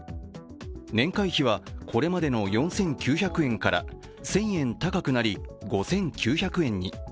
年会費は、これまでの４９００円から１０００円高くなり、５９００円に。